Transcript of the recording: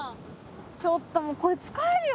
ちょっともうこれ使えるよ。